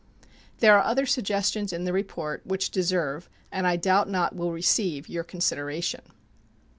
There are other suggestions in the report which deserve and I doubt not will receive your consideration.